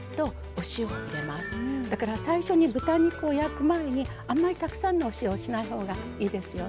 だから最初に豚肉を焼く前にあんまりたくさんのお塩をしない方がいいですよね。